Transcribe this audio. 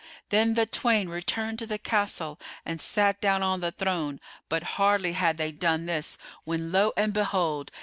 Then the twain returned to the castle and sat down on the throne; but hardly had they done this, when lo and behold!